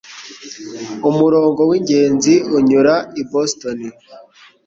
Umurongo wingenzi unyura i Boston.